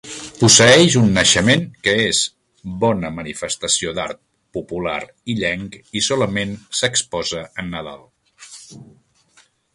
Posseeix un Naixement que és bona manifestació d'art popular illenc i solament s'exposa en Nadal.